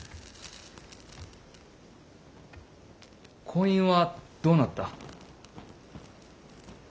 婚姻はどうなった。